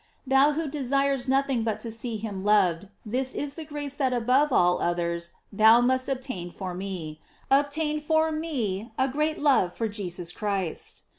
Thou who desirest nothing but to see him loved, this is the grace that above all others thou must obtain for me; obtain for me a great love for Jesus Christ.